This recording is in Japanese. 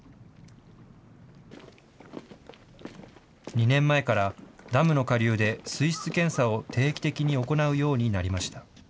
２年前から、ダムの下流で水質検査を定期的に行うようになりました。